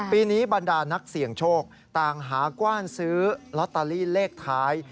ปีนี้บรรดานักเสี่ยงโชคต่างหากว้านซื้อลอตเตอรี่เลขท้าย